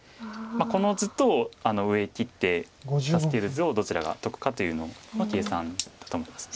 この図と上切って助ける図をどちらが得かというのの計算だと思います。